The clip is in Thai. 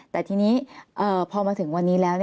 แต่ทีนี้พอมาถึงวันนี้แล้ว